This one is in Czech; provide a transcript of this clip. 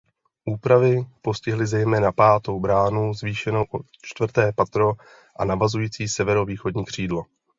Úpravy postihly zejména pátou bránu zvýšenou o čtvrté patro a navazující severovýchodní křídlo.